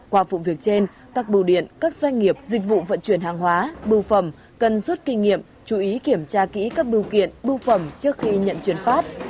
qua vụ việc trên các bưu điện các doanh nghiệp dịch vụ vận chuyển hàng hóa bưu phẩm cần rút kinh nghiệm chú ý kiểm tra kỹ các bưu kiện bưu phẩm trước khi nhận chuyển phát